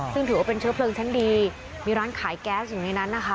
ซึ่งถือว่าเป็นเชื้อเพลิงชั้นดีมีร้านขายแก๊สอยู่ในนั้นนะคะ